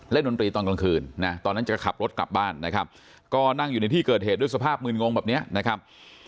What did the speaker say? ดนตรีตอนกลางคืนนะตอนนั้นจะขับรถกลับบ้านนะครับก็นั่งอยู่ในที่เกิดเหตุด้วยสภาพมืนงงแบบนี้นะครับ